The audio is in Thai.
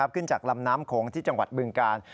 ขึ้นจากลำน้ำโขงที่จังหวัดบึงกาล